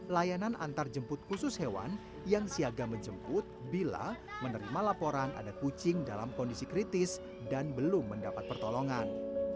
layanan antarjemput khusus hewan yang siaga menjemput bila menerima laporan ada kucing dalam kondisi kritis dan belum mendapat pertolongan